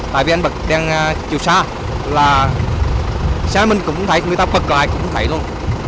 tại vì anh bật đèn chiều xa là xe mình cũng thấy người ta phật lại cũng thấy luôn